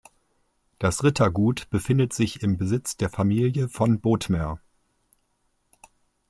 Das Rittergut befindet sich im Besitz der Familie von Bothmer.